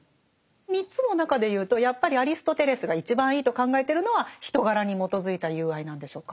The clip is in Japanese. ３つの中で言うとやっぱりアリストテレスが一番いいと考えてるのは人柄に基づいた友愛なんでしょうか？